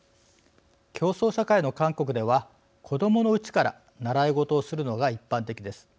競争社会の韓国では子どものうちから習い事をするのが一般的です。